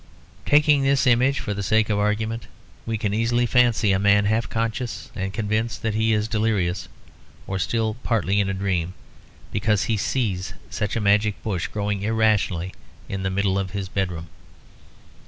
Taking this image for the sake of argument, we can easily fancy a man half conscious and convinced that he is delirious, or still partly in a dream, because he sees such a magic bush growing irrationally in the middle of his bedroom.